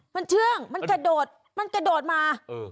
มันเชื่องมันกระโดดมันกระโดดมา